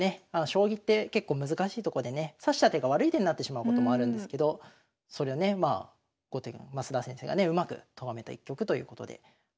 将棋って結構難しいとこでね指した手が悪い手になってしまうこともあるんですけどそれをねまあ後手が升田先生がねうまくとがめた一局ということで。